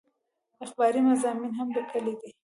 اخباري مضامين هم ليکلي دي